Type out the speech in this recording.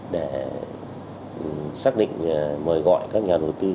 để xác định mời gọi các nhà đầu tư